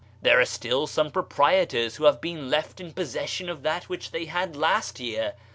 There are still some proprietors who have been left in possession of that which they had last year